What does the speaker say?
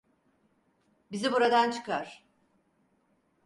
Bizi buradan çıkar!